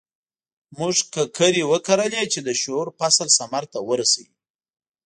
موږ ککرې وکرلې چې د شعور فصل ثمر ته ورسوي.